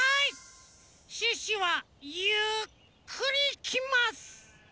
シュッシュはゆっくりいきます！